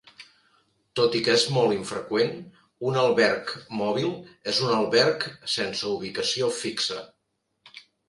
Tot i que és molt infreqüent, un alberg mòbil és un alberg sense ubicació fixa.